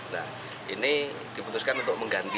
nah ini diputuskan untuk mengganti